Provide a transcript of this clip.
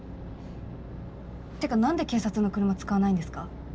ってか何で警察の車使わないんですか？